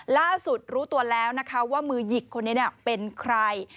รู้ตัวแล้วนะคะว่ามือหยิกคนนี้เป็นใคร